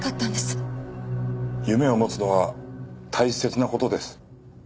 夢を持つのは大切な事です。